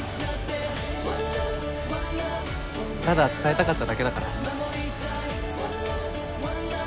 ただ伝えたかっただけだから。